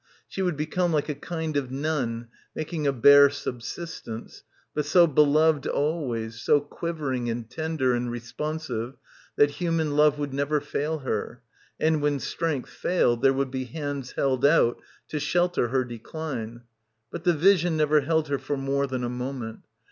She would become like a kind of nun, making a bare subsistence, but so be loved always, so quivering and tender and re sponsive that human love would never fail her, and when strength failed there would be hands held out to shelter her decline. But the vision never held her for more than a moment.